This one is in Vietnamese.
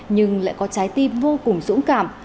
nhưng lại có trái tim vô cùng dũng cảm